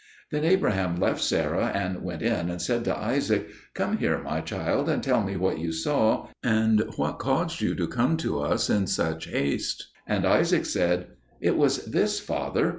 Then Abraham left Sarah and went in and said to Isaac, "Come here, my child, and tell me what you saw, and what caused you to come to us in such haste?" And Isaac said, "It was this, father.